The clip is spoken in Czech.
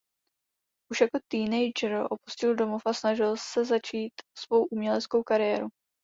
Už jako teenager opustil domov a snažil se začít svou uměleckou kariéru.